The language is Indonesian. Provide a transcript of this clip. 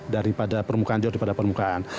daripada permukaan jauh daripada permukaan